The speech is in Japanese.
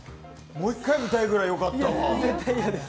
もう１回みたいぐらいよかった。